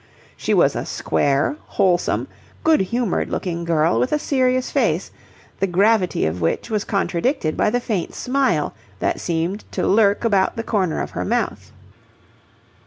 She was a square, wholesome, good humoured looking girl with a serious face, the gravity of which was contradicted by the faint smile that seemed to lurk about the corner of her mouth.